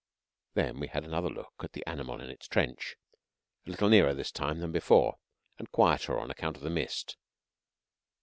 Then we had another look at the animal in its trench a little nearer this time than before, and quieter on account of the mist.